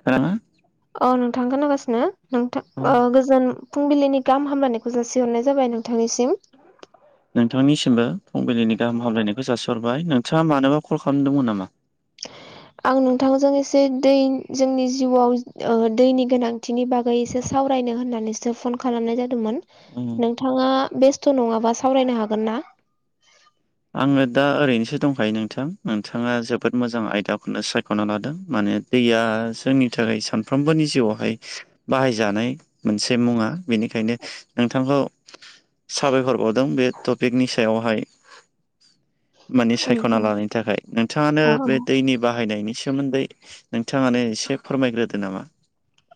[unintelligible] औ नोंथां खोनागासिनो नोंथां औ ओ गोजोन फुंबिलिनि गाहाम हामलायखौ जासिहरनाय जाबाय नोंथांनिसिम। नोंथांनिसिमबो फुंबिलिनि गाहाम हामलायनायखौ जासिहरबाय नोंथाङा मानोबा कल खालाम दोंमोन नामा? आं नोंथांजों एसे दै जोंनि जिउआव ओ दैनि गोनांथिनि बागै एसे सावरायनो होननानैसो फन खालामनाय जादोंमोन। उम नोंथाङा बेस्थ' नङाबा सावरायनो हागोन ना? आङो दा ओरैनोसो दंखायो नोंथां नोंथाङा जोबोद मोजां आयदाखौनो सायख'ना लादों माने दैया जोंनि थाखाय सानफ्रोमबोनि जिउआवहाय बाहायजानाय मोनसे मुङा बेनिखायनो नोंथांखौ साबायखर बावदों बे टपिकनि सायावहाय माने अ सायख'ना लानायनि थाखाय नोंथाङानो बे दैनि बाहायनायनि सो मोन्दै नोंथाङानो एसे फोरमायग्रोदो नामा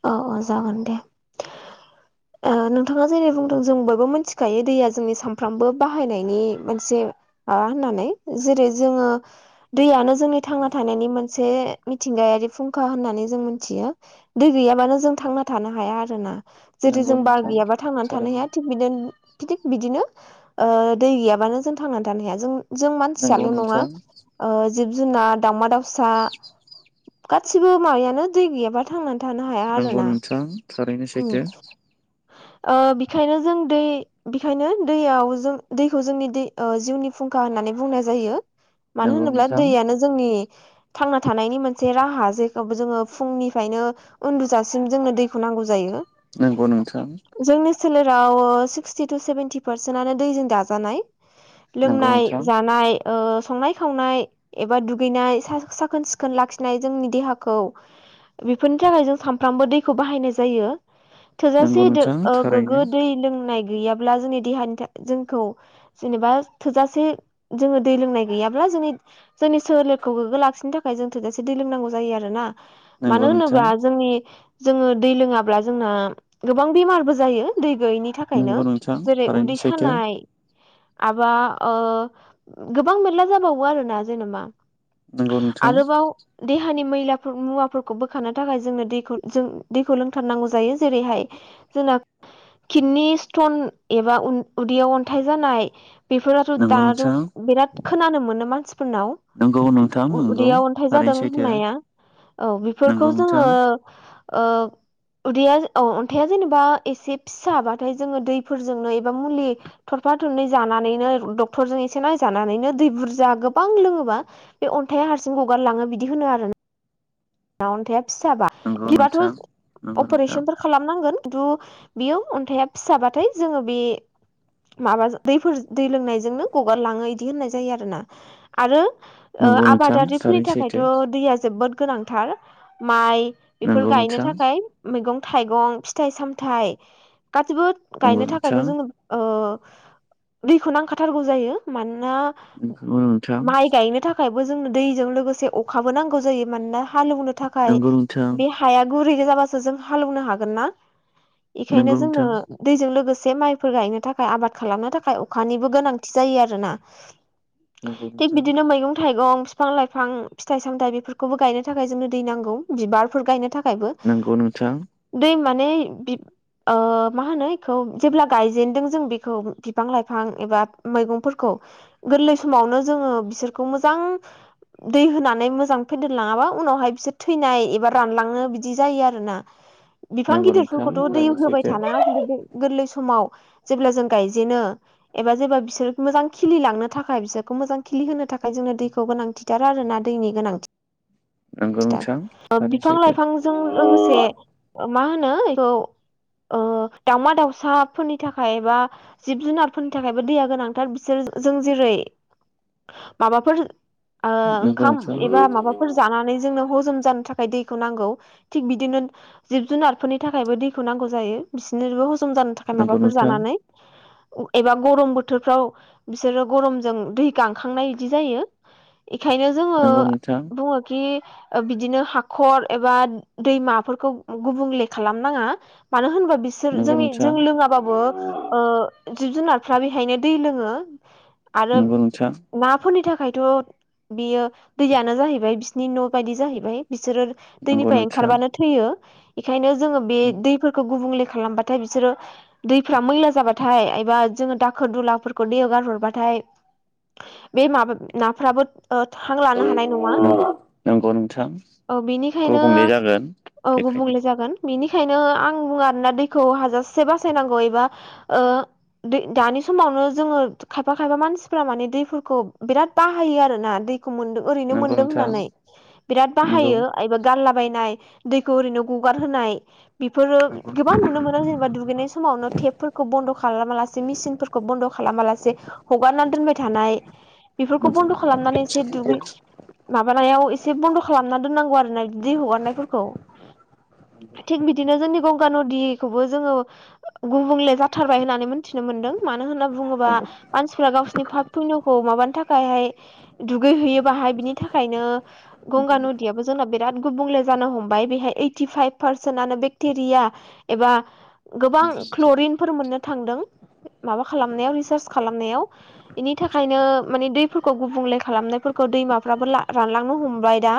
औ औ जागोन दे ओ नोंथाङा जेरै बुंदों जों बयबो मिथिखायो दैया जोंनि सानफ्रामबो बाहायनायनि मोनसे मा होननानै जेरै जोङो दैयानो जोंनि थांना थानायनि मोनसे मिथिंगायारि फुंखा होननानै जों मोनथियो। दै गैयाबानो जों थांना थानो हाया आरो ना जेरै नंगौ जों बार नोंथां गैयाबा थांनानै थानो थारैनो हाया थिक बिदिनो थिक बिदिनो दै गैयाबानो जों थांनानै थानो हाया जों जों नंगौ मानसियाल' नङा नोंथां ओ जिब-जुनार, दावउमा-दाउसा गासिबो माबायानो दै गैयाबा थांनानै थानो हाया नंगौ आरो ना। नोंथां थारैनो उम सैथो ओ बेखायनो जों दै बेखायनो दैयाव जों दैखौ जोंनि दै ओ जिउनि फुंखा होननानै बुंनाय जायो। मानो नंगौ होनोब्ला नोंथां दैयानो जोंनि थांना थानायनि मोनसे राहा जेखौ जोङो फुंनिफ्रायनो उन्दुजासिम जोंङो दैखौ [unintelligible] नांगौ जायो। नंगौ नोंथां। जोंनि सोलेराव सिक्सटि टु सेभेन्टि पारसेन्टनो दैजों दाजानाय। नंगौ लोंनाय- नोंथां जानाय ओ संनाय -खावनाय एबा दुगैनाय सा- साखोन - सिखोन लाखिनाय जोंनि देहाखौ बेफोरनि थाखाय जों सानफ्रोमबो दैखौ बाहायनाय जायो। जायो नंगौ थोजासे दो- नोंथां ओ थारैनो गोग्गो दै लोंनाय गैयाब्ला जोंनि देहानि था- जोंखौ जेनेबा थोजासे जोङो दै लोंनाय गैयाब्ला जोंनि जोंनि सोलेरखौ गोग्गो लाखिनो थाखाय जों थोजासे दै लोंनांगौ जायो आरो ना। नंगौ मानो नोंथां होनोबा जोंनि जोङो दै लोङाब्ला जोंना गोबां बेमारबो जायो दै गैयैनि बिनि थाखायनो नंगौ नोंथां जेरै थारैनो उदै सैथो सानाय आबा ओ गोबां मेरला जाबावो आरोना जेनेबा नंगौ नोंथां आरोबाव देहानि मैला मुवाफोरखौ बोखानो थाखाय जोंनो दैखौ जों दैखौ लोंथारनांगौ जायो जेरैहाय जोंना किदनि स्टन एबा उ-उदैयाव अन्थाइ जानाय बेफोराथ' नंगौ दाथ' नोंथां बेराद खोनानो मोनो मानसिफोरनाव। नंगौ नोंथां नंगौ उ-उदैयाव अन्थाइ थारैनो जादों सैथो होननाया औ नंगौ बेफोरखौ नोंथां जोङो ओ उदैया औ अन्थाया जेनेबा एसे फिसाबाथाय जोङो दैफोरजोंनो एबा मुलि थरफा थरनै जानानैनो डक्टरजों एसे नायजानानैनो दै बुरजा गोबां लोङोबा बे अन्थाइा हारसिं गगारलाङो बिदि होनो आरो ना। अन्थाया फिसाबा नंगौ नोंथां [unintelligible] नंगौ नोंथां अपारेशन खालामनांगोन खिन्थु बेयो अन्थाइया फिसाबाथाय जोङो बे माबा दैफोर दै लोंनायजोंनो गगारलाङो इदि होननाय जायो आरो ना आरो ओ नंगौ नोंथां आबादारिफोरनि थारैनो थाखायथ' सैथो दैया जोबोद गोनांथार माइ बेफोर नंगौ गायनो नोंथां थाखाय मैगं -थाइगं, फिथाइ -सामथाइ गासैबो नंगौ गायनो नोंथां थाखायथ' जोङो ओ दैखौ नांखाथारगौ जायो मानोना नंगौ नोंथां माइ गायनो थाख थाखायबो जोंनो दैजों लोगोसे अखाबो नांगौ जायो। मानोना हालौवनो थाखाय नंगौ नोंथां बे हाया गुरै जाबासो जों हालौनो हागोन ना। बेखायनो नंगौ जोंनो नोंथां दैजों लोगोसे माइफोर गायनो थाखाय आबाद खालामनो थाखाय अखानिबो गोनांथि जायो आरो ना। नंगौ थिग नोंथां बिदिनो मैगं- थाइगं, फिफां- लाइफां, फिथाइ- सामथाय बेफोरखौबो गायनो थाखाय जोंनो दै नांगौ। बिबारफोर गायनो थाखायबो नंगौ नोंथां दै माने ओ मा होनो बेखौ जेब्ला गायजेनदों जों बेखौ बिफां- लाइफां एबा मैगंफोरखौ गोरलै समावनो जोङो बिसोरखौ मोजां दै होनानै मोजां फेदेरलाङाबा उनावहाय बिसोर थैनाय एबा रानलांनो बिदि जायो आरो ना। बिफां नंगौ नोंथां गिदिरफोरखौथ' दै थारैनो होबाय सैथो थानाङा खिन्थु बे गोरलै समाव जेब्ला जों गायजेनो एबा जेबा बिसोर मोजां खिलिलांनो थाखाय बिसोरखौ मोजां खिलि होनो थाखाय जोंनो दैखौ गोनांथि [unintelligible] आरो ना दैनि गोनांथि नंगौ नोंथां थारैनो बिफां- सैथो लाइफांजों लोगोसे मा होनो बेखौ ओ दावमा- दाउसाफोरनि थाखायबा जिब -जुनारफोरनि थाखायबो दैया गोनांथार बिसोर जों जेरै माबाफोर ओ नंगौ ओंखाम नोंथां एबा माबा [unintelligible] जानानै जोंनो हजम जानो थाखाय दैखौ नांगौ। थिग बिदिनो जिब जुनारफोरनि थाखायबो दैखौ नांगौ जायो बिसोरनोबो हजम जानो थाखाय नंगौ माबाफोर नोंथां जानानै एबा गरम बोथोरफ्राव बिसोरो गरमजों दै गांखांनाय बिदि जायो बेखायनो जोङो नंगौ नोंथां बुङोखि बिदिनो हाखर एबा दैमाफोरखौ गुबुंले खालामनाङा मानो होनबा बि सोर नंगौ जों जों नोंथां लोङाबाबो ओ जिब जुनारफ्रा बेहायनो दै लोङो आरो नंगौ नोंथां नाफोरनि थाखायथ' बियो दैयानो जायो फ्राय बिसोरनि न' बायदि जाहैबाय बिसोरो नंगौ दैनिफ्राय नोंथां ओंखारबानो थैयो बेखायनो जोङो बे दैफोरखौ गुबुंले खालामबाथाय बिसोरो दैफ्रा मैला जाबाथाय एबा जोङो दाखोर दुलाफोरखौ दैयाव गारहरबाथाय बे माबा नाफ्राबो हां लानो हानाय नङा नंगौ नोंथां औ बेनिखायनो गुबुंले जागोन औ बेखायनो गुबुंले जागोन बिनिखायनो आं बुङा आरोना दैखौ हाजासे बासायनांगौ एबा दै दानि समावनो जोङो खायफा खायफा मानसिफ्रा माने दैफोरखौ बिराद बाहायो आरोोना दैखौ मोन ओरैनो नंगौ मोनदों नोंथां होननानै बिराद नंगौ बाहायो एबा गारलाबायायनाय दैखौ ओरैनो गगारहोनाय बेफोरो नंगौ गोबां नुनो मोनो जेनेबा दुगैनाय समावनो टेपफोरखौ बन्द' खालामा लासे मेसिनफोरखौ बन्द' खालामा लासे हगारनानै दोनबाय थानाय बेफोरखौ नंगौ बन्द' खालामनानै एसे दुगै माबानायाव एसे बन्द' खालामना दोननांगौ आरोोना बिदि हगारनायफोरखौ थिग बिदिनो जोंनि गंगा नदिखौबो जोङो गुबुंले जाथारबाय होननानै मिथिनो मोन्दों मानो होनना बुङोबा मानसिफ्रा गावसोरनि फााब फुंनावखौ माबानो थाखायहाय दुगैहैयो बाहाय बिनि थाखायनो गंगा नुदियावबो जोंना बिराद गुबुंले जानो हमबाय बेहाय इटि फाइभ पारसेन्टनो बेक्टेरिया एबा गोबां क्ल'रिनफोर मोननो थांदों माबा खालामनायाव रिसार्च खालामनायाव बेनि थाखायनो माने दैफोरखौ गुबुंले खालामनायफोरखौ दैमा [unintelligible] रानलांनो हमबाय दा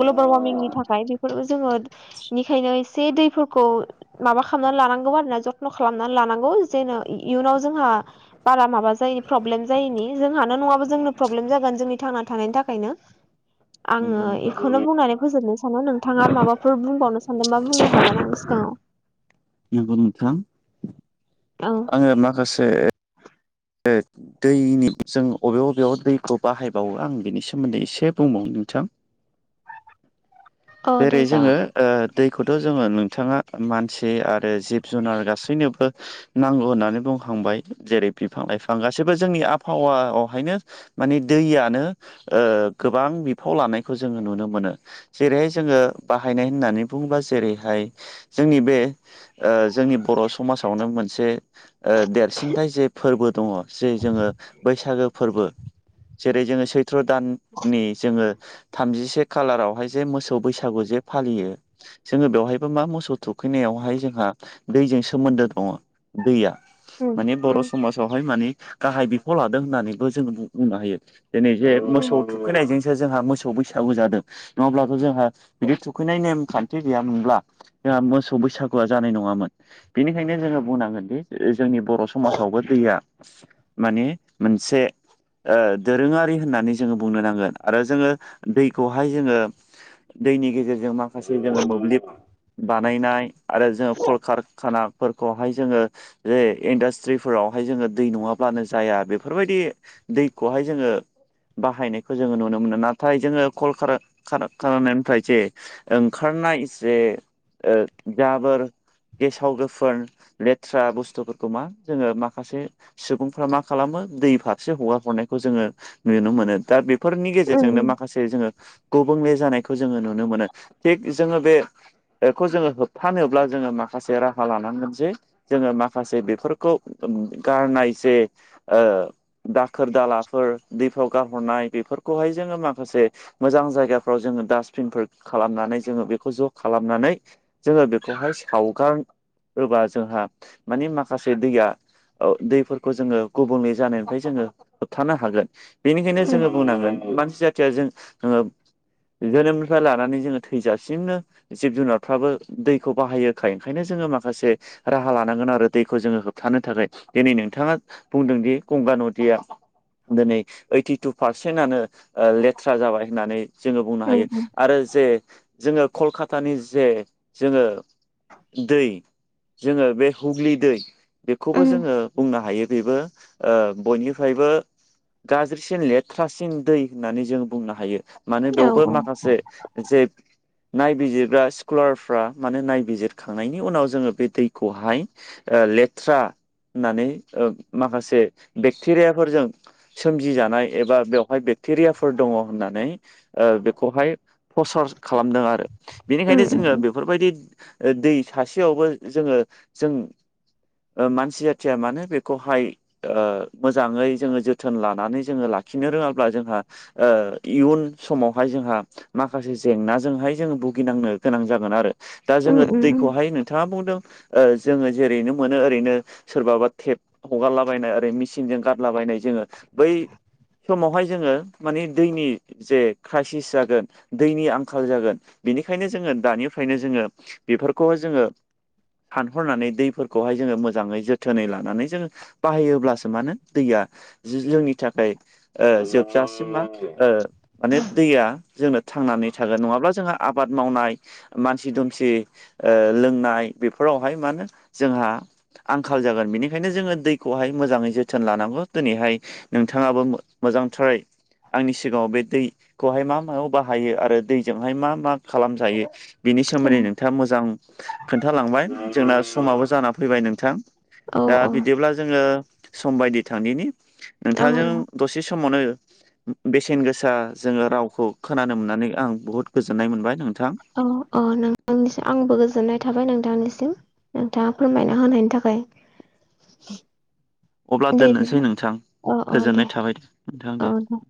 ग्लबेल वार्मिंनि थाखाय बेफोर जोङो बेनिखायनो एसे दैफोरखौ माबा खालामनानै लानांगौ आरोना जथ्न' खालामनानै लानांगौ जेन' इयुनाव जोंहा बारा माबा जायोनि प्रब्लेम जायैनि जोंहानो नङाब जोंनो प्रब्लेम जागोन जोंनि थां थानायनि थाखायनो आङो बेखौनो बुंनानै फोजोबनोसै साना नोंथाङा आरो माबाफोर बुंबावनो सानदोंबा बुंनो हागोन आं सिगाङाव नंगौ नोंथां औ आङो माखासे दैनि जों बबे बबेयाव दैखौ बाहायबावो आं बिनि सोमोन्दै एसे बुंबावो नोंथां औ जेरै दे जोङो जागोन दैखौथ' जोङो नोंथाङा मानसि आरो जिब जुनार गासैनोबो नांगौ होननानै बुंखांबाय जेरै बिफां लाइफां गासैबो जोंनि आबहावायावहायनो माने दैयानो गोबां बिफाव लानायखौ जोङो नुनो मोनो जेरै जोङो बाहायनाय होननानै बुङोबा जेरैहाय जोंनि बे जोंनि बर' समाजावनो मोनसे देरसिनथाय जे फोरबो दङ जे जोङो बैसागो फोरबो जेरै जोङो सैथ्र' दाननि जोङो थामजिसे खालारावहाय जे मोसौ बैसागु जे फालियो जोङो बेवहायबो मा मोसौ थुखैनायावहाय जोंहा दैजों सोमोन्दो दङ दैया उम माने बर' उम समाज हाय माने गाहाय बिफाव लादों होननानैबो जोङो बुंनो हायो दिनै जे मोसौ थुखैनायजोंसो जोंहा मोसौ बैसागु जादों नङाब्लाथ' जोंहा बिदि थुखैनाय नेमखान्थि गैयामोनब्ला जोंहा मोसौ बैसागुआ जानाय नङामोन। बिनिखायनो जोङो बुंनांगोन दि जोंनि बर' समाजावबो दैया माने मोनसे दोरोङारि होननानै जोङो बुंनो नांगोन आरो जोङो दैखौहाय जोङो दैनि गेजेरजों माखासे जोङो मोब्लिब बानायनाय आरो जोङो कलकारखाना फोरखौहाय जोङो जे इन्डास्ट्रिफोरावहाय जोङो दै नङाब्लानो जाया बेफोरबायदि दैखौहाय जोङो बाहायनायखौ जोङो नुनो मोनो नाथाय जोङो कल कारार नाथायसेे ओंखारनाय जे जाबोर गेसाव गोफोन लेथ्रा बुस्थुफोरखौ मा जोङो माखासे सुबुंफ्रा मा खालामो दै फारसे हगार हरनायखौ जोङो नुनो मोनो दा बेफोरनि उम उम गेजेरजोंनो माखासे जोङो गुबुंले जानाय खौ जोङो नुनो मोनो थिग जोङो बे बेखौ जोङो होबथानोब्ला जोङो माखासे राहा लानांगोन जे जोङो माखासे बेफोरखौ गारनाय जे दाखोर दालाफोर दैफ्राव गारहरनाय बेफोरखौहाय जोङो माखासे मोजां जायगाफ्राव जोङो डासटबिनफोर खालामनानै जोङो बेखौ ज' खालामनानै जोङो बेखौहाय सावगार होबा जोंहा मानि माखासे दैया दैफोरखौ जोङो गुबुंले जानायनिफ्राय जोङो होबथानो हागोन बेनिखायनो उम जोङो बुंनांगोन मानसि जाथिया जों जोङो जोनोमनिफ्राय लानानै जोङो थैजासिमनो जिब जुनारफ्राबो दैखौ बाहायोखाय ओंखायनो जोङो माखासे राहा लानांगोन आरो दैखौ जोङो होबथानो थाखाय दिनै नोंथाङा बुंदोंदि गंगा नदिया दिनै ओइटिटु पारसेन्टआनो लेथ्रा जाबाय होननानै जोङो बुंनो हायो आरो जे जोङो कलकातानि जे जोङो दै जोङो बे हुग्लि दै उम बेखौबो उम जोङो बुंनो हायो बेबो बयनिफ्रायबो गाज्रिसिन लेथ्रासिन दै होननानै जों बुंनो हायो मानो औ बेवबो औ माखासे जे नायबिजिरग्रा स्कुलारफ्रा माने नायबिजिरखांनायनि उनाव जोङो बे दैखौहाय लेथ्रा होननानै माखासे बेक्टेरियाफोरजों सोमजिजानाय एबा बेवहाय बेक्टेरियाफोर दङ होननानै बेखौहाय प्रसार खालामदों आरो उम बेनिखायनो उम जोङो बेफोरबायदि दै सासेयावबो जोङो जों मानसि जाथिया मानो बेखौहाय मोजाङै जोङो जोथोन लानानै जोङो लाखिनो रोङाब्ला जोंहा आ इउन समावहाय जोंहा माखासे जेंनाजोंहाय जोंङ भुगिनांनो गोनां जागोन आरो दा उम जोङो उम दैखौहाय नोंथाङा बुंदों जोङो जेरैनो मोनो ओरैनो सोरबाबा टेप हगारलाबायनाय ओरै मेसिनजों गारलाबायनाय जोङो बै समावहाय जोङो माने दैनि जे क्राइसिस जागोन दैनि आंखाल जागोन बेनिखायनो जोङो दानिफ्रायनो जोङो बेफोरखौ जोङो फानहरनानै दैफोरखौहाय जोङो मोजाङै जोथोनै लानानै जोङो बाहायोब्लासो मा होनो दैया जोंनि थाखाय जोबजासिमा माने दैया जोंनो थांनानै थागोन नङाब्ला जोंहा आबाद मावनाय मानसि दुमसि लोंनाय बेफोरावहाय मा होनो जोंहा आंखाल जागोन बेनिखायनो जोंङो दैखौहाय मोजाङै जोथोन लानांगौ दिनैहाय नोंथाङाबो मोजांथार आंनि सिगाङाव बे दै खौहाय मा मायाव बाहायो आरो दैजोंहाय मा मा खालामजायो बिनि उम सोमोन्दै नों थां मोजां खोन्थालांबाय जोंना समाबो जाना फैबाय नोंथां औ दा बिदिब्ला जोंङो सम बाइदि थांदिनि औ नोंथांजों दसे समावनो बेसेन गोसा जोंङो रावखौ खोनानो मोननानै आं बुहुद गोजोननाय मोनबाय नोंथां। औ औ नोंथांनिसिम आंबो गोजोननाय थाबाय नोंथांनिसिम नोंथाङा फोरमायना होनायनि थाखाय अब्ला दे बि दोननोसै नोंथां अ अ गोजोननाय देऔ थाबाय नोंथां दे